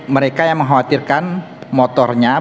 mereka yang mengkhawatirkan motornya